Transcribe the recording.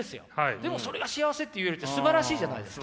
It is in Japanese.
でもそれが幸せって言えるってすばらしいじゃないですか。